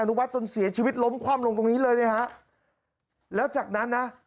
นุวัฒนจนเสียชีวิตล้มคว่ำลงตรงนี้เลยเนี่ยฮะแล้วจากนั้นนะ